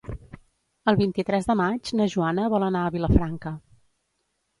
El vint-i-tres de maig na Joana vol anar a Vilafranca.